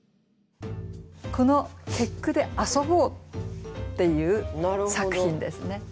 この結句で遊ぼうっていう作品ですね。